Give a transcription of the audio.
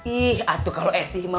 ih atuh kalau esih ma